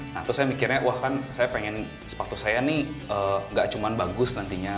nah terus saya mikirnya wah kan saya pengen sepatu saya nih gak cuma bagus nantinya